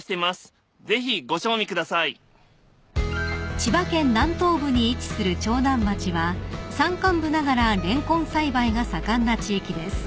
［千葉県南東部に位置する長南町は山間部ながらレンコン栽培が盛んな地域です］